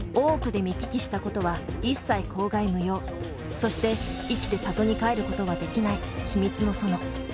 そして生きて郷に帰ることはできない秘密の園。